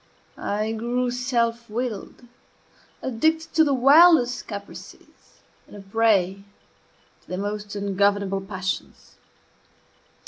I grew self willed, addicted to the wildest caprices, and a prey to the most ungovernable passions.